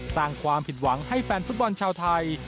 สร้างความผิดหวังให้แฟนฟุตบอลชาวไทย